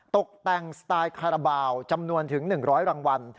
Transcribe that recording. ตกแต่งสไตล์คาราบาลจำนวนถึง๑๐๐รางวัล